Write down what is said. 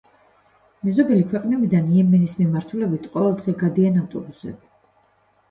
მეზობელი ქვეყნებიდან იემენის მიმართულებით ყოველდღე გადიან ავტობუსები.